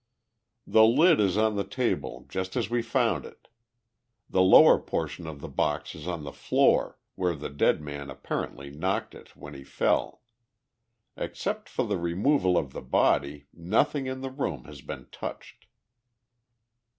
"The lid is on the table, just as we found it. The lower portion of the box is on the floor, where the dead man apparently knocked it when he fell. Except for the removal of the body, nothing in the room has been touched."